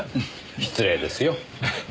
失礼ですよ。